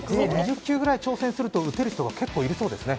２０球ぐらい挑戦すると打てる方がいるそうですね。